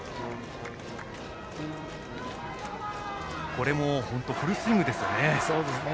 これもフルスイングですね。